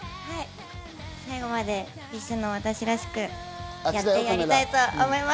最後までＢｉＳＨの私らしくやってやりたいと思います。